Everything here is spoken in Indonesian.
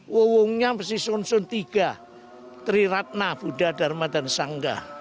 wawungnya pesisun susun tiga triratna buddha dharma dan sangga